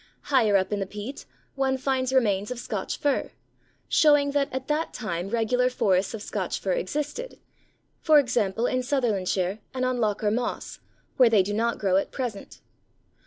Higher up in the peat one finds remains of Scotch Fir, showing that at that time regular forests of Scotch Fir existed, e.g. in Sutherlandshire and on Lochar Moss, where they do not grow at present.